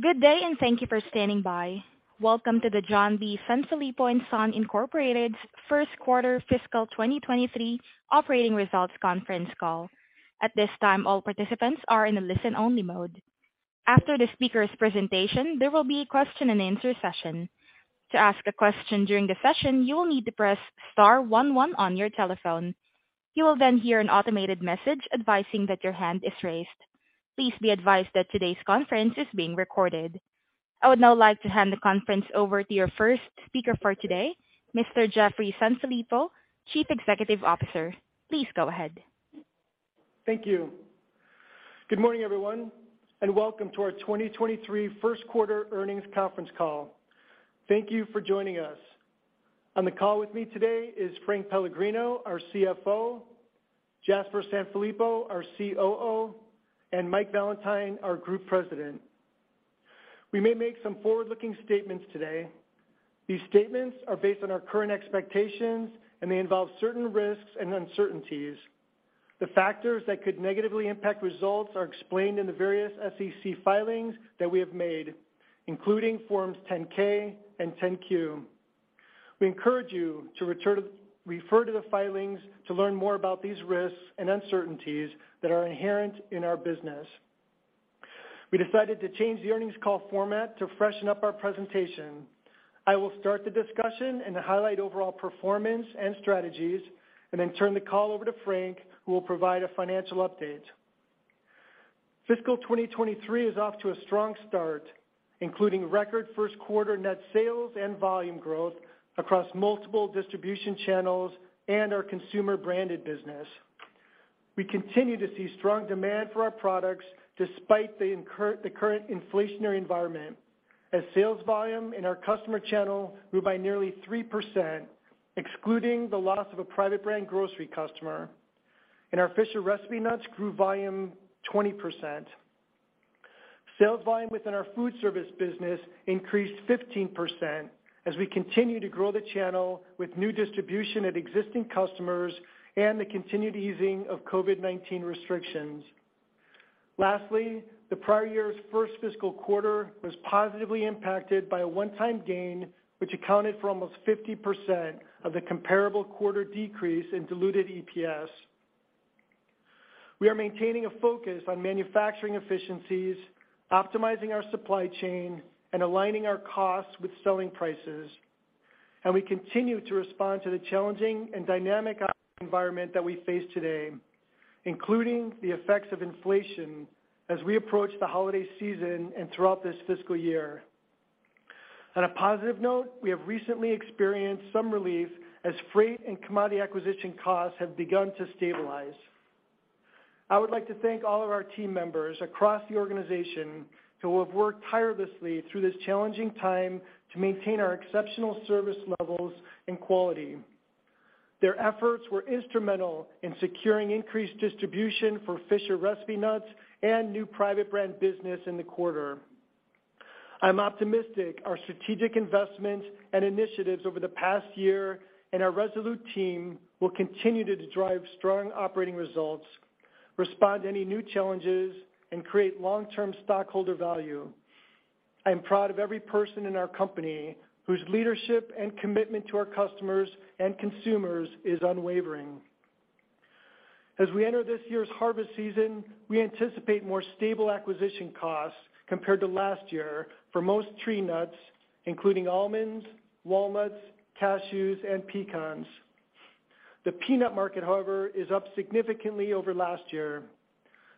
Good day, and thank you for standing by. Welcome to the John B. Sanfilippo & Son Inc first quarter fiscal 2023 operating results conference call. At this time, all participants are in a listen-only mode. After the speaker's presentation, there will be a question-and-answer session. To ask a question during the session, you will need to press star one one on your telephone. You will then hear an automated message advising that your hand is raised. Please be advised that today's conference is being recorded. I would now like to hand the conference over to your first speaker for today, Mr. Jeffrey Sanfilippo, Chief Executive Officer. Please go ahead. Thank you. Good morning, everyone, and welcome to our 2023 first quarter earnings conference call. Thank you for joining us. On the call with me today is Frank Pellegrino, our CFO, Jasper Sanfilippo, our COO, and Mike Valentine, our Group President. We may make some forward-looking statements today. These statements are based on our current expectations, and they involve certain risks and uncertainties. The factors that could negatively impact results are explained in the various SEC filings that we have made, including Forms 10-K and 10-Q. We encourage you to refer to the filings to learn more about these risks and uncertainties that are inherent in our business. We decided to change the earnings call format to freshen up our presentation. I will start the discussion and highlight overall performance and strategies and then turn the call over to Frank, who will provide a financial update. Fiscal 2023 is off to a strong start, including record first quarter net sales and volume growth across multiple distribution channels and our consumer branded business. We continue to see strong demand for our products despite the current inflationary environment as sales volume in our customer channel grew by nearly 3%, excluding the loss of a private brand grocery customer, and our Fisher Recipe Nuts grew volume 20%. Sales volume within our food service business increased 15% as we continue to grow the channel with new distribution at existing customers and the continued easing of COVID-19 restrictions. Lastly, the prior year's first fiscal quarter was positively impacted by a one-time gain, which accounted for almost 50% of the comparable quarter decrease in diluted EPS. We are maintaining a focus on manufacturing efficiencies, optimizing our supply chain, and aligning our costs with selling prices, and we continue to respond to the challenging and dynamic environment that we face today, including the effects of inflation as we approach the holiday season and throughout this fiscal year. On a positive note, we have recently experienced some relief as freight and commodity acquisition costs have begun to stabilize. I would like to thank all of our team members across the organization who have worked tirelessly through this challenging time to maintain our exceptional service levels and quality. Their efforts were instrumental in securing increased distribution for Fisher Recipe Nuts and new private brand business in the quarter. I'm optimistic our strategic investments and initiatives over the past year and our resolute team will continue to drive strong operating results, respond to any new challenges, and create long-term stockholder value. I am proud of every person in our company whose leadership and commitment to our customers and consumers is unwavering. As we enter this year's harvest season, we anticipate more stable acquisition costs compared to last year for most tree nuts, including almonds, walnuts, cashews, and pecans. The peanut market, however, is up significantly over last year.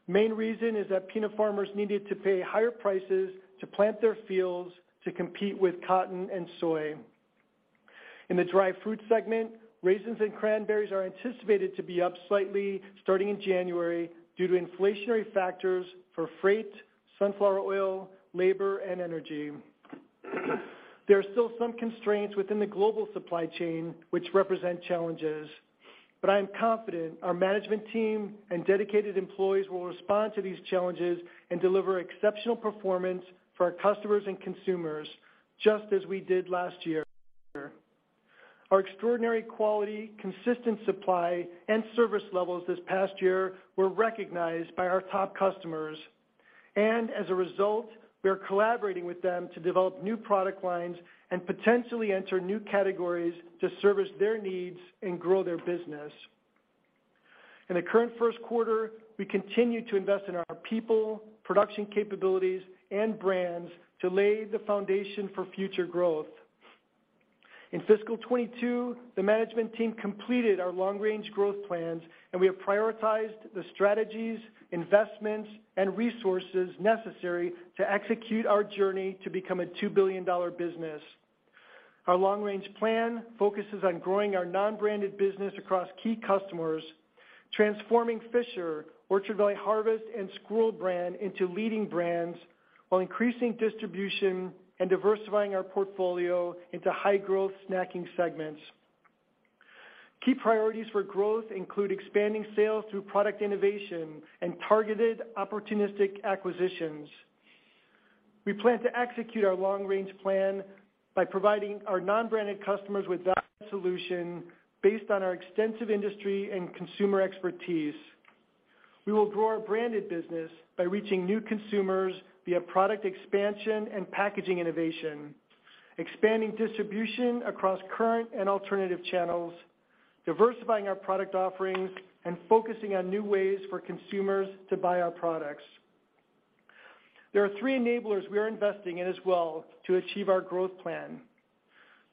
Main reason is that peanut farmers needed to pay higher prices to plant their fields to compete with cotton and soy. In the dried fruit segment, raisins and cranberries are anticipated to be up slightly starting in January due to inflationary factors for freight, sunflower oil, labor, and energy. There are still some constraints within the global supply chain which represent challenges, but I am confident our management team and dedicated employees will respond to these challenges and deliver exceptional performance for our customers and consumers, just as we did last year. Our extraordinary quality, consistent supply, and service levels this past year were recognized by our top customers, and as a result, we are collaborating with them to develop new product lines and potentially enter new categories to service their needs and grow their business. In the current first quarter, we continue to invest in our people, production capabilities, and brands to lay the foundation for future growth. In fiscal 2022, the management team completed our long-range growth plans, and we have prioritized the strategies, investments, and resources necessary to execute our journey to become a $2 billion business. Our long-range plan focuses on growing our non-branded business across key customers, transforming Fisher, Orchard Valley Harvest, and Southern Style Nuts into leading brands while increasing distribution and diversifying our portfolio into high-growth snacking segments. Key priorities for growth include expanding sales through product innovation and targeted opportunistic acquisitions. We plan to execute our long-range plan by providing our non-branded customers with that solution based on our extensive industry and consumer expertise. We will grow our branded business by reaching new consumers via product expansion and packaging innovation, expanding distribution across current and alternative channels, diversifying our product offerings, and focusing on new ways for consumers to buy our products. There are three enablers we are investing in as well to achieve our growth plan.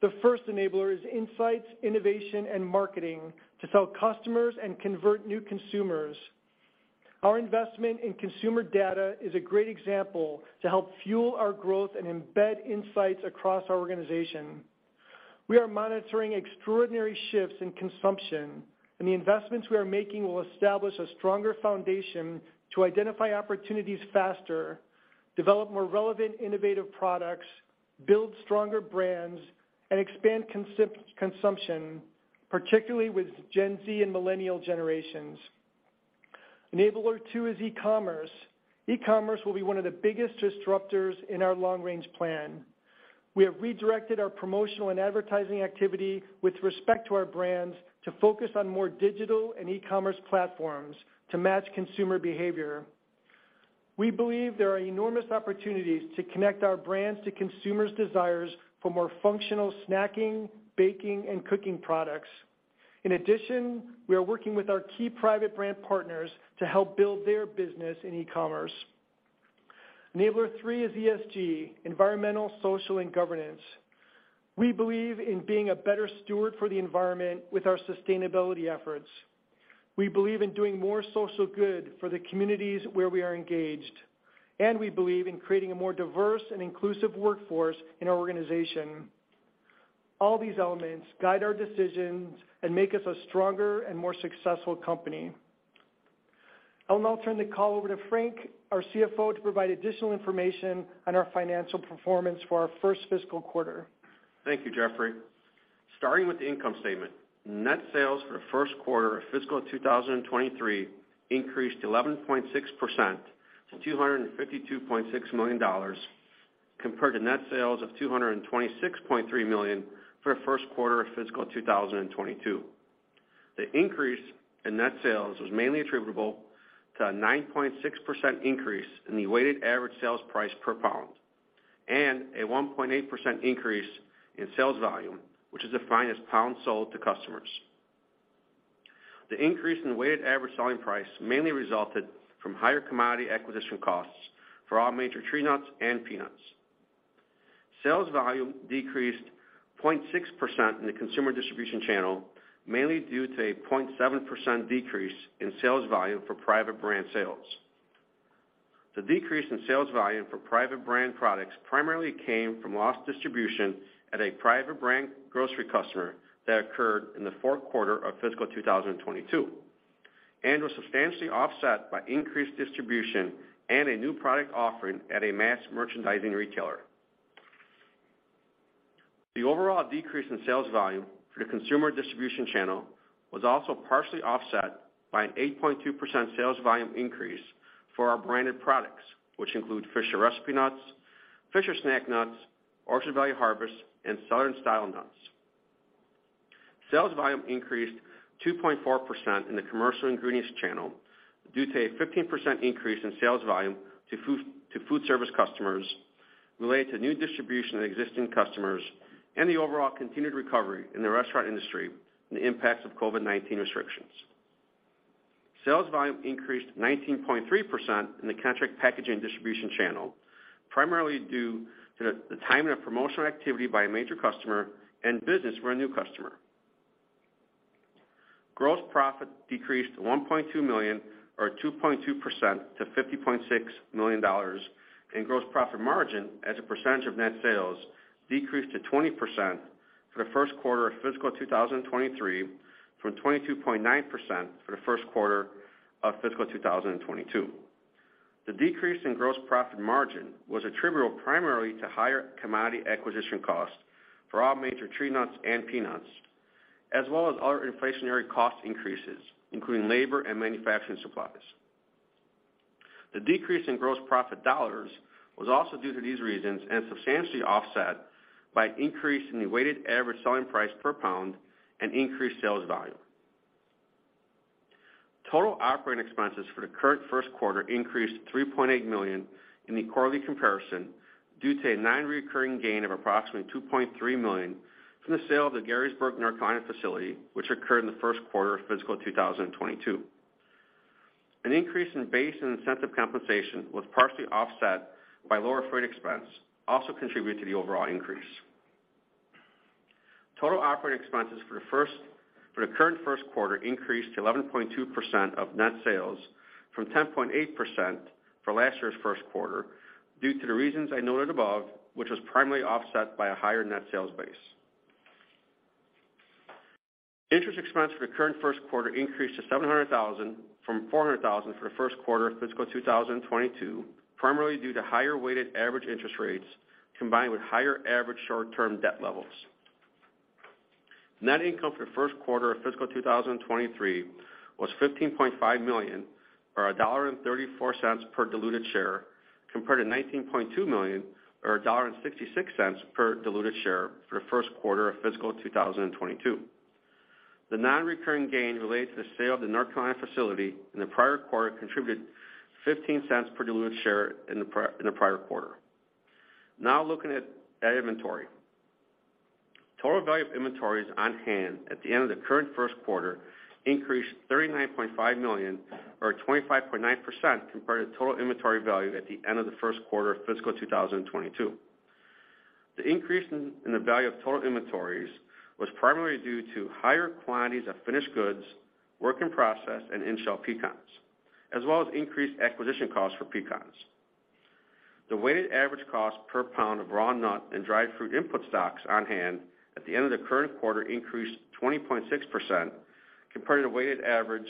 The first enabler is insights, innovation and marketing to sell to customers and convert new consumers. Our investment in consumer data is a great example to help fuel our growth and embed insights across our organization. We are monitoring extraordinary shifts in consumption, and the investments we are making will establish a stronger foundation to identify opportunities faster, develop more relevant, innovative products, build stronger brands, and expand consumption, particularly with Gen Z and millennial generations. Enabler two is e-commerce. E-commerce will be one of the biggest disruptors in our long-range plan. We have redirected our promotional and advertising activity with respect to our brands to focus on more digital and e-commerce platforms to match consumer behavior. We believe there are enormous opportunities to connect our brands to consumers' desires for more functional snacking, baking, and cooking products. In addition, we are working with our key private brand partners to help build their business in e-commerce. Enabler three is ESG, environmental, social, and governance. We believe in being a better steward for the environment with our sustainability efforts. We believe in doing more social good for the communities where we are engaged, and we believe in creating a more diverse and inclusive workforce in our organization. All these elements guide our decisions and make us a stronger and more successful company. I'll now turn the call over to Frank, our CFO, to provide additional information on our financial performance for our first fiscal quarter. Thank you, Jeffrey. Starting with the income statement, net sales for the first quarter of fiscal 2023 increased 11.6% to $252.6 million compared to net sales of $226.3 million for the first quarter of fiscal 2022. The increase in net sales was mainly attributable to a 9.6% increase in the weighted average sales price per pound and a 1.8% increase in sales volume, which is defined as pounds sold to customers. The increase in weighted average selling price mainly resulted from higher commodity acquisition costs for all major tree nuts and peanuts. Sales volume decreased 0.6% in the consumer distribution channel, mainly due to a 0.7% decrease in sales volume for private brand sales. The decrease in sales volume for private brand products primarily came from lost distribution at a private brand grocery customer that occurred in the fourth quarter of fiscal 2022 and was substantially offset by increased distribution and a new product offering at a mass merchandising retailer. The overall decrease in sales volume for the consumer distribution channel was also partially offset by an 8.2% sales volume increase for our branded products, which include Fisher Recipe Nuts, Fisher Snack Nuts, Orchard Valley Harvest, and Southern Style Nuts. Sales volume increased 2.4% in the commercial ingredients channel due to a 15% increase in sales volume to food service customers related to new distribution to existing customers and the overall continued recovery in the restaurant industry from the impacts of COVID-19 restrictions. Sales volume increased 19.3% in the contract packaging distribution channel, primarily due to the timing of promotional activity by a major customer and business for a new customer. Gross profit decreased $1.2 million, or 2.2%, to $50.6 million, and gross profit margin as a percentage of net sales decreased to 20% for the first quarter of fiscal 2023 from 22.9% for the first quarter of fiscal 2022. The decrease in gross profit margin was attributable primarily to higher commodity acquisition costs for all major tree nuts and peanuts, as well as other inflationary cost increases, including labor and manufacturing supplies. The decrease in gross profit dollars was also due to these reasons and substantially offset by an increase in the weighted average selling price per pound and increased sales volume. Total operating expenses for the current first quarter increased to $3.8 million in the quarterly comparison due to a nonrecurring gain of approximately $2.3 million from the sale of the Garysburg, North Carolina facility, which occurred in the first quarter of fiscal 2022. An increase in base and incentive compensation was partially offset by lower freight expense also contributed to the overall increase. Total operating expenses for the current first quarter increased to 11.2% of net sales from 10.8% for last year's first quarter due to the reasons I noted above, which was primarily offset by a higher net sales base. Interest expense for the current first quarter increased to $700,000 from $400,000 for the first quarter of fiscal 2022, primarily due to higher weighted average interest rates combined with higher average short-term debt levels. Net income for the first quarter of fiscal 2023 was $15.5 million or $1.34 per diluted share. Compared to $19.2 million or $1.66 per diluted share for the first quarter of fiscal 2022. The non-recurring gain related to the sale of the North Carolina facility in the prior quarter contributed $0.15 per diluted share in the prior quarter. Now looking at inventory. Total value of inventories on hand at the end of the current first quarter increased $39.5 million or 25.9% compared to total inventory value at the end of the first quarter of fiscal 2022. The increase in the value of total inventories was primarily due to higher quantities of finished goods, work in process, and in-shell pecans, as well as increased acquisition costs for pecans. The weighted average cost per pound of raw nut and dried fruit input stocks on hand at the end of the current quarter increased 20.6% compared to the weighted average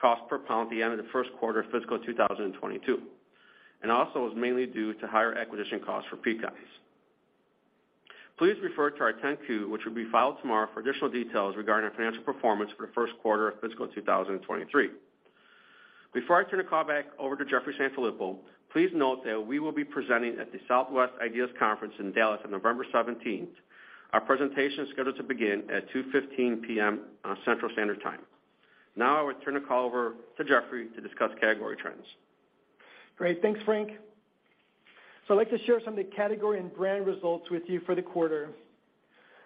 cost per pound at the end of the first quarter of fiscal 2022, and also was mainly due to higher acquisition costs for pecans. Please refer to our 10-Q, which will be filed tomorrow for additional details regarding our financial performance for the first quarter of fiscal 2023. Before I turn the call back over to Jeffrey Sanfilippo, please note that we will be presenting at the Southwest IDEAS Conference in Dallas on November 17th. Our presentation is scheduled to begin at 2:15 P.M., Central Standard Time. Now I will turn the call over to Jeffrey to discuss category trends. Great. Thanks, Frank. I'd like to share some of the category and brand results with you for the quarter.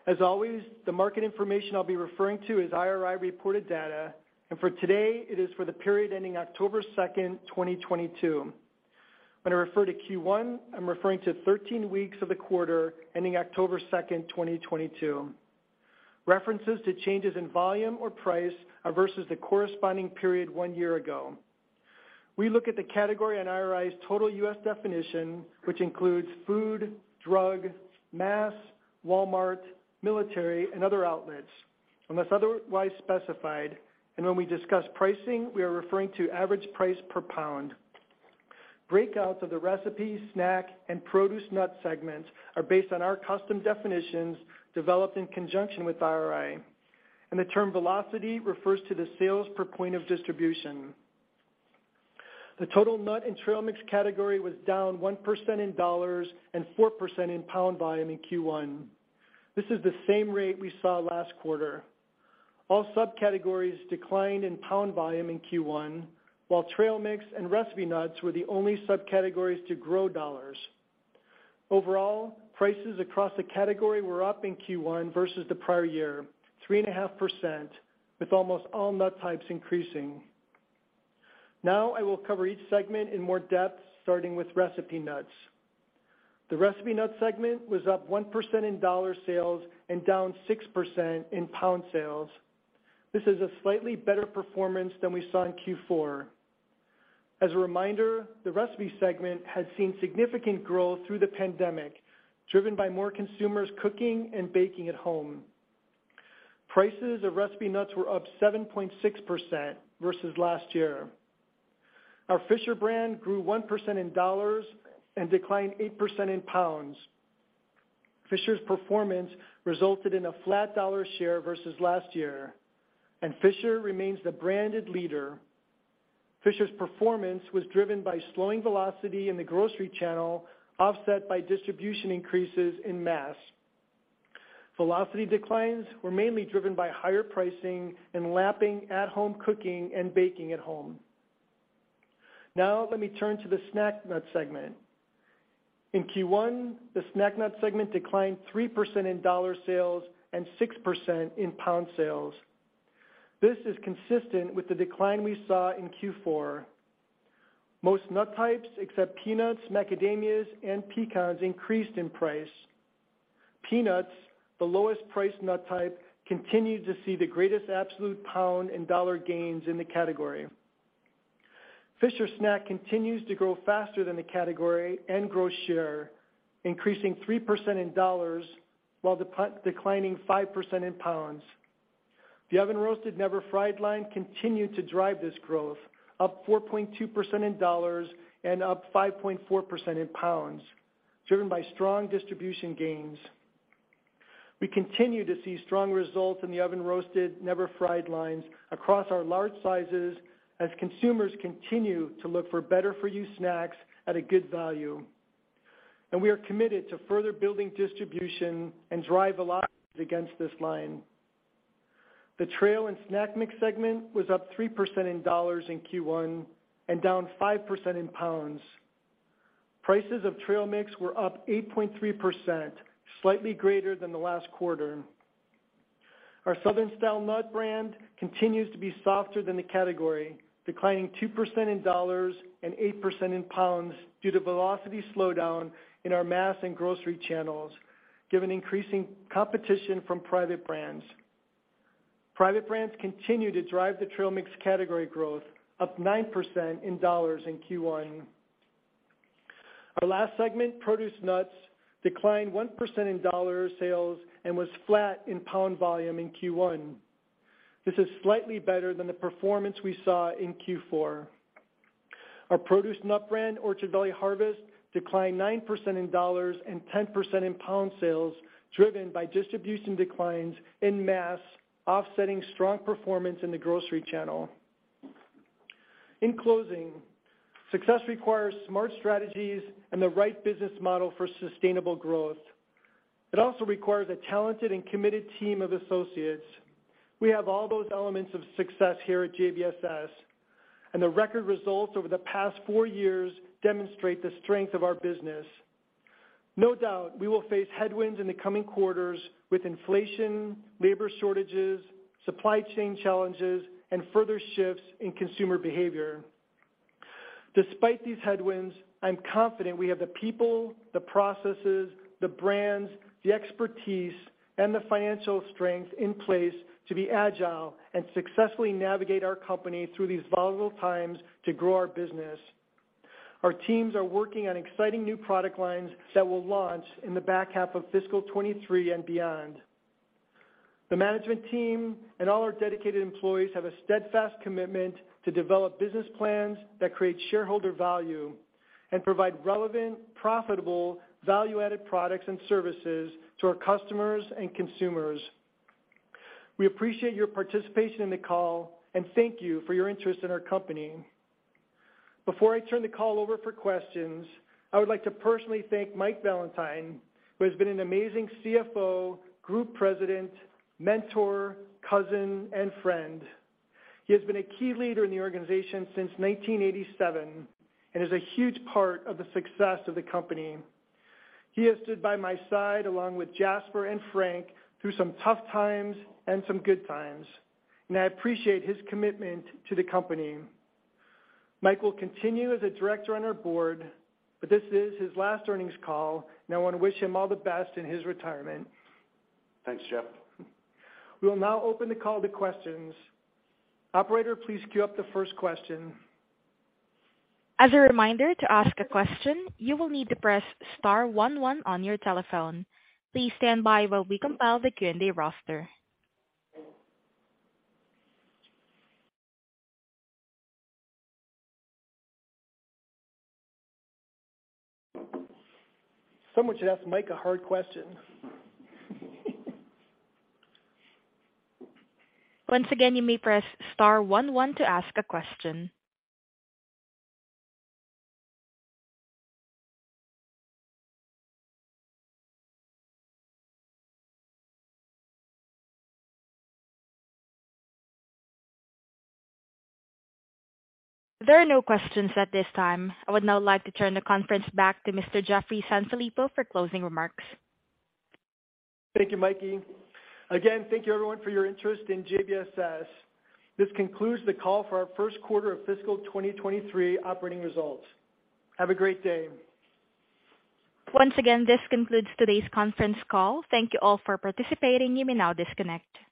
As always, the market information I'll be referring to is IRI reported data, and for today it is for the period ending October 2nd, 2022. When I refer to Q1, I'm referring to 13 weeks of the quarter ending October 2nd, 2022. References to changes in volume or price are versus the corresponding period one year ago. We look at the category on IRI's total U.S. definition, which includes food, drug, mass, Walmart, military, and other outlets, unless otherwise specified. When we discuss pricing, we are referring to average price per pound. Breakouts of the recipe, snack, and produce nut segments are based on our custom definitions developed in conjunction with IRI. The term velocity refers to the sales per point of distribution. The total nut and trail mix category was down 1% in dollars and 4% in pound volume in Q1. This is the same rate we saw last quarter. All subcategories declined in pound volume in Q1, while trail mix and recipe nuts were the only subcategories to grow dollars. Overall, prices across the category were up in Q1 versus the prior year, 3.5%, with almost all nut types increasing. Now I will cover each segment in more depth, starting with recipe nuts. The recipe nut segment was up 1% in dollar sales and down 6% in pound sales. This is a slightly better performance than we saw in Q4. As a reminder, the recipe segment has seen significant growth through the pandemic, driven by more consumers cooking and baking at home. Prices of recipe nuts were up 7.6% versus last year. Our Fisher brand grew 1% in dollars and declined 8% in pounds. Fisher's performance resulted in a flat dollar share versus last year, and Fisher remains the branded leader. Fisher's performance was driven by slowing velocity in the grocery channel, offset by distribution increases in mass. Velocity declines were mainly driven by higher pricing and lapping at-home cooking and baking at home. Now let me turn to the snack nut segment. In Q1, the snack nut segment declined 3% in dollar sales and 6% in pound sales. This is consistent with the decline we saw in Q4. Most nut types, except peanuts, macadamias, and pecans, increased in price. Peanuts, the lowest priced nut type, continued to see the greatest absolute pound and dollar gains in the category. Fisher Snack continues to grow faster than the category and grow share, increasing 3% in dollars while declining 5% in pounds. The Oven Roasted Never Fried line continued to drive this growth, up 4.2% in dollars and up 5.4% in pounds, driven by strong distribution gains. We continue to see strong results in the Oven Roasted Never Fried lines across our large sizes as consumers continue to look for better for you snacks at a good value. We are committed to further building distribution and drive a lot against this line. The trail and snack mix segment was up 3% in dollars in Q1 and down 5% in pounds. Prices of trail mix were up 8.3%, slightly greater than the last quarter. Our Southern Style Nuts brand continues to be softer than the category, declining 2% in dollars and 8% in pounds due to velocity slowdown in our mass and grocery channels, given increasing competition from private brands. Private brands continue to drive the trail mix category growth, up 9% in dollars in Q1. Our last segment, Produce Nuts, declined 1% in dollar sales and was flat in pound volume in Q1. This is slightly better than the performance we saw in Q4. Our Produce Nuts brand, Orchard Valley Harvest, declined 9% in dollars and 10% in pound sales, driven by distribution declines in mass, offsetting strong performance in the grocery channel. In closing, success requires smart strategies and the right business model for sustainable growth. It also requires a talented and committed team of associates. We have all those elements of success here at JBSS, and the record results over the past four years demonstrate the strength of our business. No doubt, we will face headwinds in the coming quarters with inflation, labor shortages, supply chain challenges, and further shifts in consumer behavior. Despite these headwinds, I'm confident we have the people, the processes, the brands, the expertise, and the financial strength in place to be agile and successfully navigate our company through these volatile times to grow our business. Our teams are working on exciting new product lines that will launch in the back half of fiscal 2023 and beyond. The management team and all our dedicated employees have a steadfast commitment to develop business plans that create shareholder value and provide relevant, profitable, value-added products and services to our customers and consumers. We appreciate your participation in the call, and thank you for your interest in our company. Before I turn the call over for questions, I would like to personally thank Mike Valentine, who has been an amazing CFO, Group President, mentor, cousin, and friend. He has been a key leader in the organization since 1987 and is a huge part of the success of the company. He has stood by my side, along with Jasper and Frank, through some tough times and some good times, and I appreciate his commitment to the company. Mike will continue as a director on our board, but this is his last earnings call, and I wanna wish him all the best in his retirement. Thanks, Jeff. We will now open the call to questions. Operator, please queue up the first question. As a reminder, to ask a question, you will need to press star one one on your telephone. Please stand by while we compile the Q&A roster. Someone should ask Mike a hard question. Once again, you may press star one one to ask a question. There are no questions at this time. I would now like to turn the conference back to Mr. Jeffrey Sanfilippo for closing remarks. Thank you, Mike. Again, thank you everyone for your interest in JBSS. This concludes the call for our first quarter of fiscal 2023 operating results. Have a great day. Once again, this concludes today's conference call. Thank you all for participating. You may now disconnect.